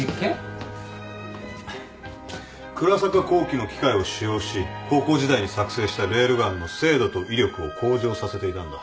クラサカ工機の機械を使用し高校時代に作成したレールガンの精度と威力を向上させていたんだ。